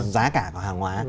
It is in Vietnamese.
giá cả hàng hóa